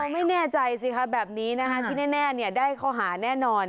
ไม่แน่ใจสิคะแบบนี้นะคะที่แน่ได้ข้อหาแน่นอน